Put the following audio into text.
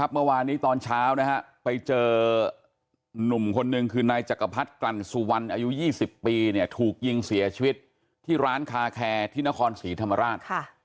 เมื่อวานนี้ตอนเช้าไปเจอหนุ่มคนหนึ่งคือนายจักรพรรดิกลั่นสุวรรณอายุ๒๐ปีถูกยิงเสียชีวิตที่ร้านคาแคร์ที่นครศรีธรรมราช